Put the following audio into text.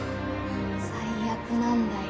最悪なんだよ。